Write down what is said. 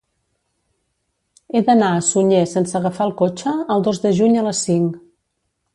He d'anar a Sunyer sense agafar el cotxe el dos de juny a les cinc.